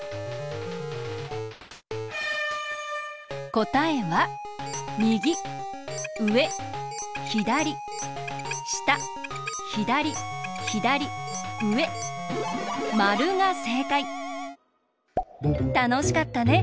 こたえはみぎうえひだりしたひだりひだりうえまるがせいかい！たのしかったね。